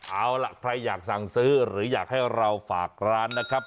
เอาล่ะใครอยากสั่งซื้อหรืออยากให้เราฝากร้านนะครับ